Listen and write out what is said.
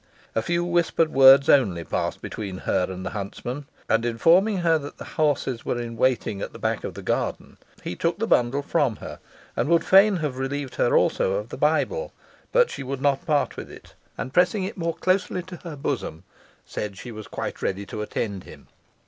A few whispered words only passed between her and the huntsman, and informing her that the horses were in waiting at the back of the garden, he took the bundle from her, and would fain have relieved her also of the Bible, but she would not part with it, and pressing it more closely to her bosom, said she was quite ready to attend him.